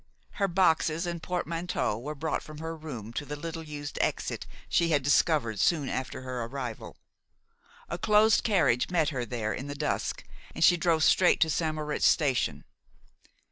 Her boxes and portmanteau were brought from her room by the little used exit she had discovered soon after her arrival. A closed carriage met her there in the dusk, and she drove straight to St. Moritz station.